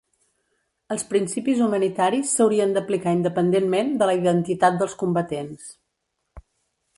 Els principis humanitaris s'haurien d'aplicar independentment de la identitat dels combatents.